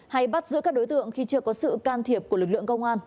hay bắt giữ các đối tượng khi chưa có sự can thiệp của lực lượng công an